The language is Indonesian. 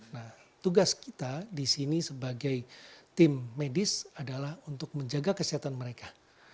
nah tugas kita di sini sebagai tim medis adalah untuk menjaga kesehatan mereka